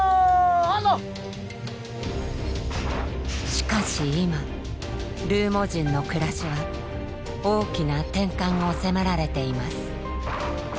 しかし今ルーモ人の暮らしは大きな転換を迫られています。